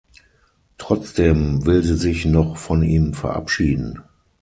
Trotzdem will sie sich noch von ihm verabschieden.